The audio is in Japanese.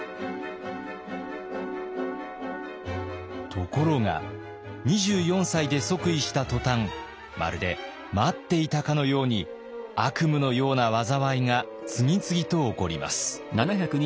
ところが２４歳で即位した途端まるで待っていたかのように悪夢のような災いが次々と起こります。